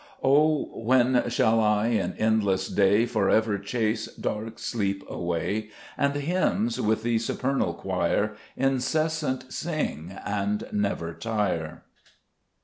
6 O when shall I in endless day For ever chase dark sleep away, And hymns with the supernal choir Incessant sing, and never tire